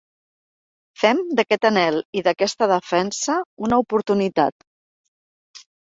Fem d’aquest anhel i d’aquesta defensa una oportunitat.